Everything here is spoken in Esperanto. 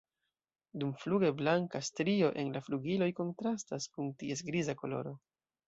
Dumfluge blanka strio en la flugiloj kontrastas kun ties griza koloro.